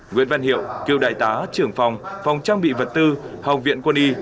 nguyễn văn hiệu cựu đại tá trưởng phòng phòng trang bị vật tư học viện quân y